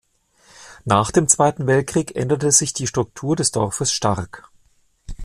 Nach dem Zweiten Weltkrieg änderte sich die Struktur des Dorfes stark.